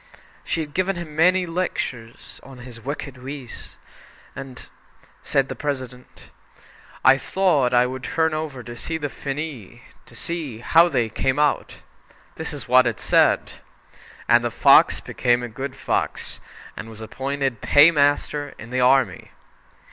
She had given him many lectures on his wicked ways, and said the President: "I thought I would turn over to the finis, and see how they came out. This is what it said: "'And the fox became a good fox, and was appointed paymaster in the army.'